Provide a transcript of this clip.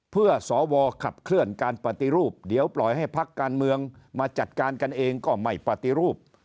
เพื่อสวขับเคลื่อนการปฏิรูปเดี๋ยวปล่อยให้พักการเมืองมาจัดการกันเองก็ไม่ปฏิรูป